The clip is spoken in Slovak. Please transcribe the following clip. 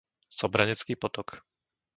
Sobranecký potok